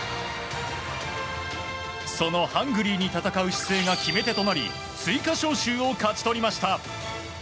そのハングリーに戦う姿勢が決め手となり追加招集を勝ち取りました。